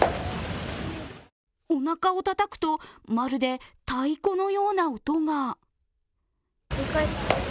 おなかをたたくと、まるで太鼓のような音が。